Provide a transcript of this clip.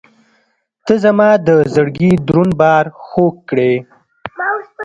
• ته زما د زړګي دروند بار خوږ کړې.